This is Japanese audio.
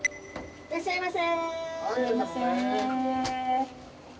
いらっしゃいませ。